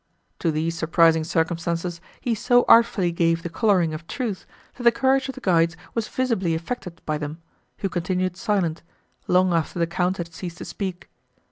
To these surprising circumstances he so artfully gave the colouring of truth, that the courage of the guides was visibly affected by them, who continued silent, long after the Count had ceased to speak.